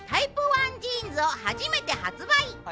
１ジーンズを初めて発売。